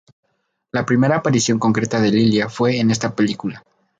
La primera aparición concreta de Lilia fue en esta película.